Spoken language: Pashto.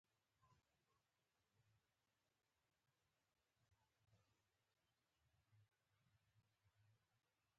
پښتو ژبه یې ده.